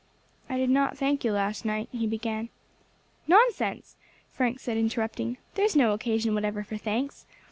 "I did not thank you last night," he began. "Nonsense," Frank said, interrupting; "there is no occasion whatever for thanks.